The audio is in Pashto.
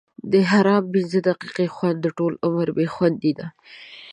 د حرام پنځه دقیقې خوند؛ د ټولو عمر بې خوندي ده.